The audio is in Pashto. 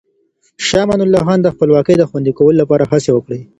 شاه امان الله خان د خپلواکۍ د خوندي کولو لپاره هڅې وکړې.